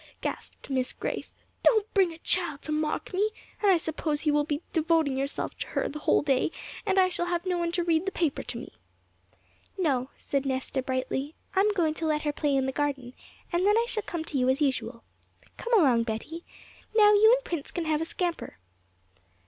gasped Miss Grace; 'don't bring a child to mock me; and I suppose you will be devoting yourself to her the whole day, and I shall have no one to read the paper to me.' 'No,' said Nesta brightly, 'I am going to let her play in the garden, and then I shall come to you as usual. Come along, Betty; now you and Prince can have a scamper.'